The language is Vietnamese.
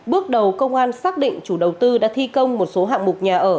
bước đầu công an xác định chủ đầu tư đã thi công một số hạng mục nhà ở